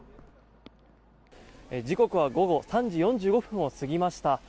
時刻は午後３時４５分を過ぎました。